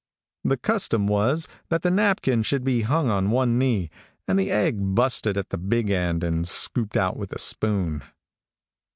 The custom was that the napkin should be hung on one knee, and the egg busted at the big end and scooped out with a spoon.